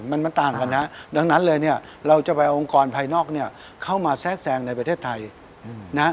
มันมาต่างกันดังนั้นเลยเราจะไปองกรภัยนอกเมื่อเข้ามาแซกแสงในประเทศไทย